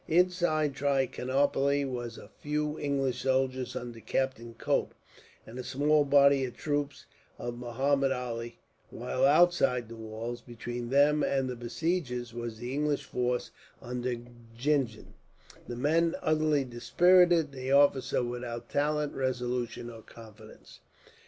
Inside Trichinopoli were a few English soldiers under Captain Cope, and a small body of troops of Muhammud Ali; while outside the walls, between them and the besiegers, was the English force under Gingen, the men utterly dispirited, the officer without talent, resolution, or confidence.